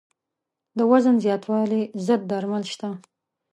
د وزن زیاتوالي ضد درمل شته.